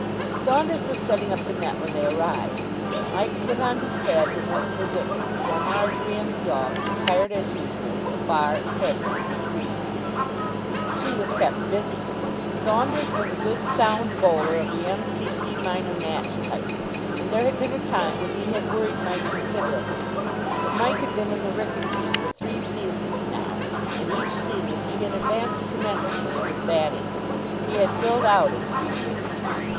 Saunders was setting up the net when they arrived. Mike put on his pads and went to the wickets, while Marjory and the dogs retired as usual to the far hedge to retrieve. She was kept busy. Saunders was a good sound bowler of the M.C.C. minor match type, and there had been a time when he had worried Mike considerably, but Mike had been in the Wrykyn team for three seasons now, and each season he had advanced tremendously in his batting. He had filled out in three years.